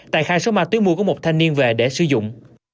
tại khai số ma túy mua có một thanh niên về để sử dụng